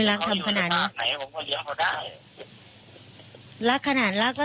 ผมรักเขามากผมจองมาทุกอย่าง